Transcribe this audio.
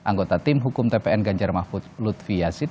anggota tim hukum tpn ganjar mahfud lutfi yasin